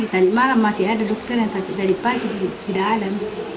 tadi malam masih ada dokter yang tapi tadi pagi tidak ada